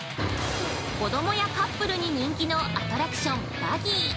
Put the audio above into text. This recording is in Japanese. ◆子供やカップルに人気のアトラクション、バギー。